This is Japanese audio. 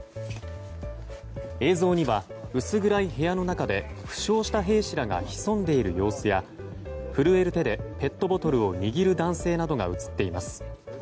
映像には薄暗い部屋の中で負傷した兵士らが潜んでいる様子や震える手でペットボトルを握る男性などが映っています。